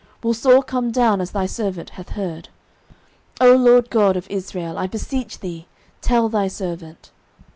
will Saul come down, as thy servant hath heard? O LORD God of Israel, I beseech thee, tell thy servant.